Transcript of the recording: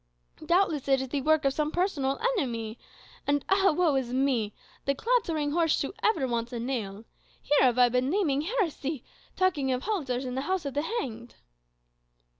Doubtless it is the work of some personal enemy. And ah, woe is me! 'the clattering horse shoe ever wants a nail' here have I been naming heresy, 'talking of halters in the house of the hanged?